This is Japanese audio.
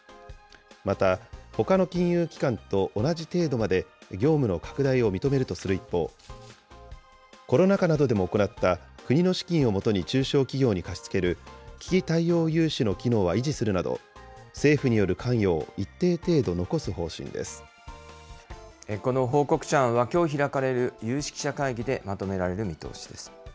また、ほかの金融機関と同じ程度まで業務の拡大を認めるとする一方、コロナ禍などでも行った国の資金を元に中小企業に貸し付ける危機対応融資の機能は維持するなど、政府による関与を一定程度残す方この報告書案は、きょう開かれる有識者会議でまとめられる見通しです。